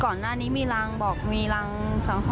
ก่อนหน้านี้มีรังบอกมีรังสังหรณ์อะไรบ้างไหม